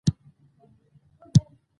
آيا موږ کولای شو هر ترکيب کټ مټ وژباړو؟